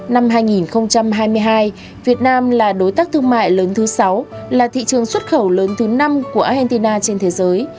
năm hai nghìn hai mươi hai việt nam là đối tác thương mại lớn thứ sáu là thị trường xuất khẩu lớn thứ năm của argentina trên thế giới